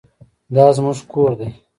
دا زموږ کور دی؟